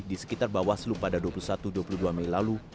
di sekitar bawaslu pada dua puluh satu dua puluh dua mei lalu